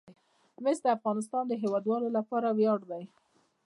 مس د افغانستان د هیوادوالو لپاره ویاړ دی.